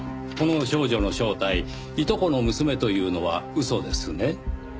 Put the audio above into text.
この少女の正体いとこの娘というのは嘘ですね？